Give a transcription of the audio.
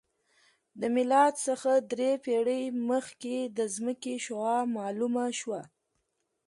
د میلاد څخه درې پېړۍ مخکې د ځمکې شعاع معلومه شوه